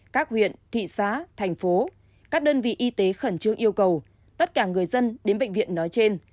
các huyện thị xã thành phố các đơn vị y tế khẩn trương yêu cầu tất cả người dân đến bệnh viện nói trên